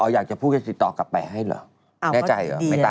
อ๋ออยากจะพูดกันติดต่อกลับไปให้เหรอแน่ใจหรือไม่ต้อง